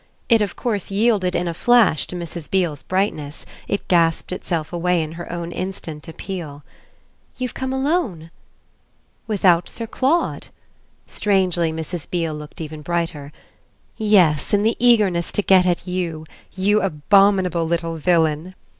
It of course yielded in a flash to Mrs. Beale's brightness, it gasped itself away in her own instant appeal. "You've come alone?" "Without Sir Claude?" Strangely, Mrs. Beale looked even brighter. "Yes; in the eagerness to get at you. You abominable little villain!"